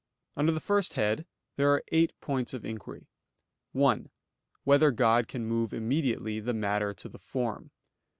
Under the first head there are eight points of inquiry: (1) Whether God can move immediately the matter to the form?